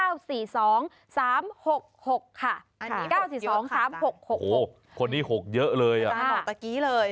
อันนี้๙๔๒๓๖๖๖ค่ะโอ้โฮคนที่๖เยอะเลยอะถ้าบอกตะกี้เลย